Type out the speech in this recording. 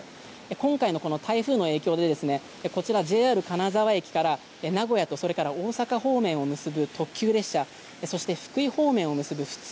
今回の台風の影響でこちら、ＪＲ金沢駅から名古屋と大阪方面を結ぶ特急列車そして福井方面を結ぶ普通